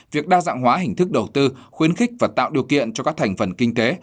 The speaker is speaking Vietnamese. việc đa dạng hóa hình thức đầu tư khuyến khích và tạo điều kiện cho các thành phần kinh tế